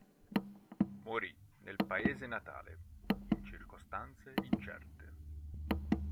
Morì nel paese natale in circostanze incerte.